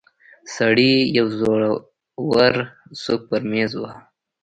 سړي يو زورور سوک پر ميز وواهه.